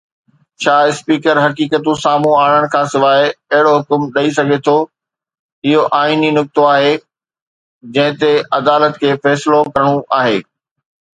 ڇا اسپيڪر حقيقتون سامهون آڻڻ کانسواءِ اهڙو حڪم ڏئي سگهي ٿو؟ اهو آئيني نقطو آهي جنهن تي عدالت کي فيصلو ڪرڻو آهي.